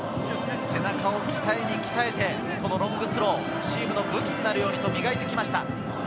背中を鍛えに鍛えてロングスロー、チームの武器になるように磨いてきました。